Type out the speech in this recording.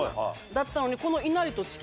だったのにこの。